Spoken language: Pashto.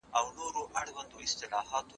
په ژمي کې درمل کارول کېږي.